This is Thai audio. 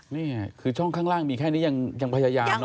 นี่คือช่องข้างล่างมีแค่นี้ยังพยายามเนอ